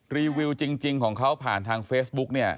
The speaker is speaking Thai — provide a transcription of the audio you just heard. รีวิวจริงของเขาผ่านทางเฟซบุ๊กเนี่ย